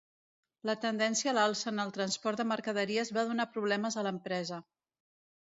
La tendència a l'alça en el transport de mercaderies va donar problemes a l'empresa.